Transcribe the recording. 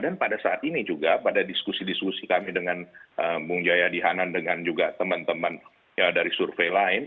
dan pada saat ini juga pada diskusi diskusi kami dengan bung jaya dihanan dengan juga teman teman dari survei lain